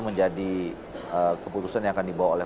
menjadi keputusan yang akan dibawa oleh